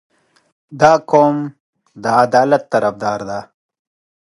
• دا قوم د عدالت طرفدار دی.